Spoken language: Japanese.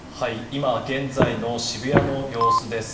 今現在の渋谷の様子です。